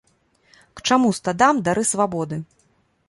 К чаму стадам дары свабоды?